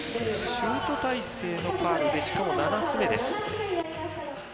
シュート体勢のファウルでしかも７つ目です。